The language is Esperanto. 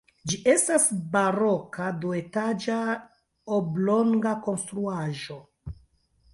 Ĝi estas baroka duetaĝa oblonga konstruaĵo.